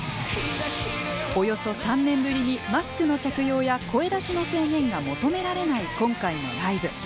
およそ３年ぶりにマスクの着用や声出しの制限が求められない今回のライブ。